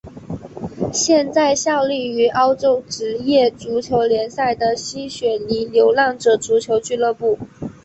现在效力于澳洲职业足球联赛的西雪梨流浪者足球俱乐部。